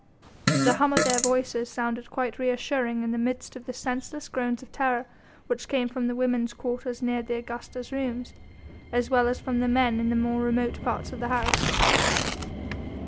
The hum of their voices sounded quite reassuring in the midst of the senseless groans of terror which came from the women's quarters near the Augusta's rooms, as well as from the men in the more remote parts of the house.